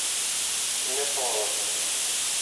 Кемнәр соң алар?